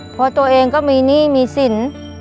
เพราะตัวเองก็มีหนี้มีสิน